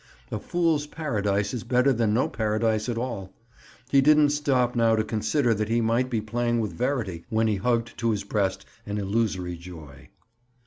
A fool's paradise is better than no paradise at all. He didn't stop now to consider that he might be playing with verity when he hugged to his breast an illusory joy.